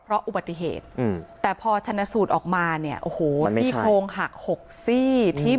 พระเจ้าอาวาสกันหน่อยนะครับ